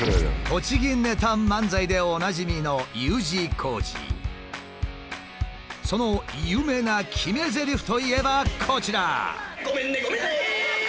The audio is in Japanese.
栃木ネタ漫才でおなじみのその有名な決めぜりふといえばこちら。